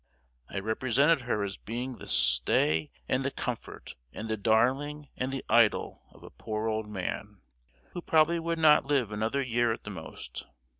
I represented her as being the stay and the comfort and the darling and the idol of a poor old man, who probably would not live another year at the most!